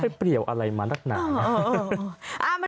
เปรียวอะไรมานักหนานะ